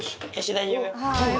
大丈夫よ。